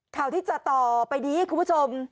ข่าวที่จะต่อไปนี้คุณผู้ชม